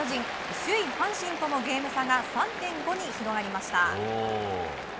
首位、阪神とのゲーム差が３．５に広がりました。